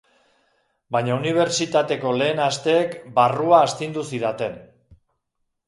Baina unibertsitateko lehen asteek barrua astindu zidaten.